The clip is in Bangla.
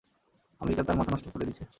আমেরিকা তার মাথা নষ্ট করে দিছে।